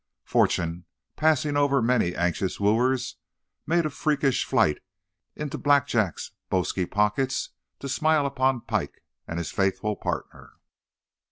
Fortune, passing over many anxious wooers, made a freakish flight into Blackjack's bosky pockets to smile upon Pike and his faithful partner.